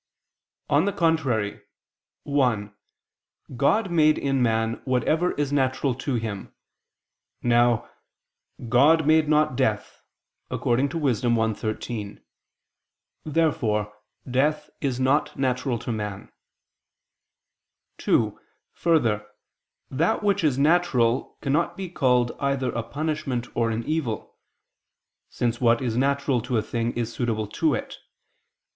On the contrary, (1) God made in man whatever is natural to him. Now "God made not death" (Wis. 1:13). Therefore death is not natural to man. (2) Further, that which is natural cannot be called either a punishment or an evil: since what is natural to a thing is suitable to it.